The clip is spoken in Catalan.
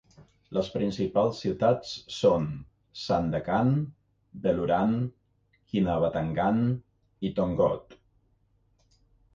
Les principals ciutats són Sandakan, Beluran, Kinabatangan i Tongod.